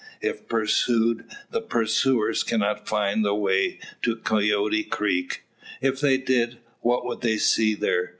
If pursued, the pursuers cannot find the way to Coyote creek. If they did, what would they see there?